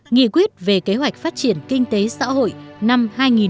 nghị quyết về kế hoạch phát triển kinh tế xã hội năm hai nghìn một mươi bảy